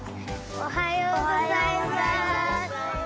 おはようございます。